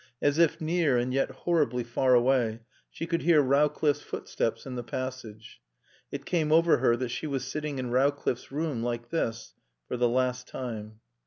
As if near and yet horribly far away, she could hear Rowcliffe's footsteps in the passage. It came over her that she was sitting in Rowcliffe's room like this for the last time.